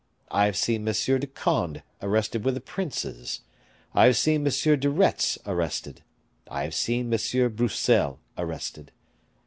I have seen M. de Conde arrested with the princes; I have seen M. de Retz arrested; I have seen M. Broussel arrested.